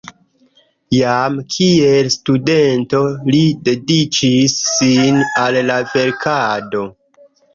Jam kiel studento li dediĉis sin al la verkado.